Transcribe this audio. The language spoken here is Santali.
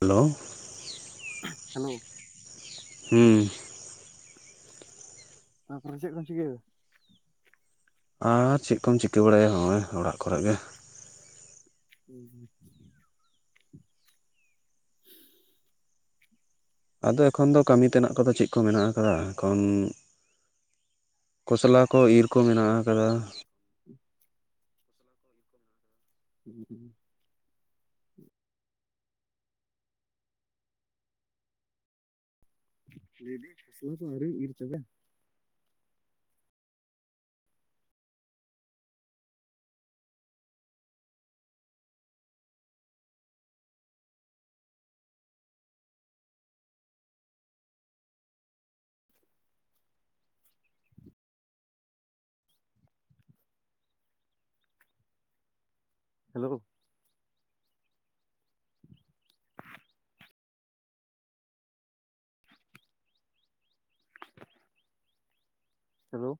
ᱦᱮᱞᱳ᱾ ᱦᱮᱞᱳ ᱾ ᱦᱩᱸ ᱾ ᱛᱟᱯᱚᱨᱮ ᱪᱮᱫ ᱠᱚᱢ ᱪᱤᱠᱟᱹᱭ ᱫᱟ? ᱟᱨ ᱪᱮᱫ ᱠᱚᱢ ᱪᱤᱠᱟᱹ ᱵᱟᱲᱟᱭᱟ ᱱᱚᱜᱼᱚᱭ ᱚᱲᱟᱜ ᱠᱚᱨᱮ ᱜᱮ ᱾ ᱦᱩᱸ ᱦᱩᱸ ᱾ ᱟᱫᱚ ᱮᱠᱷᱚᱱ ᱫᱚ ᱠᱟᱹᱢᱤ ᱛᱮᱱᱟᱜ ᱠᱚᱫᱚ ᱪᱮᱫ ᱠᱚ ᱢᱮᱱᱟᱜ ᱟᱠᱟᱫᱟ ᱮᱠᱷᱚᱱ ᱠᱚᱥᱞᱟ ᱠᱚ ᱤᱨ ᱠᱚ ᱢᱮᱱᱟᱜ ᱟᱠᱟᱫᱟ ᱾ [unintelligible] ᱞᱟᱹᱭ ᱫᱤᱱ ᱦᱩᱲᱩ ᱠᱚ ᱟᱣᱨᱤᱢ ᱤᱨ ᱪᱟᱵᱟ ᱭᱟ? ᱦᱮᱞᱳ ᱾ ᱦᱮᱞᱳ ᱾